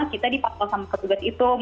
kita dipantau sama petugas itu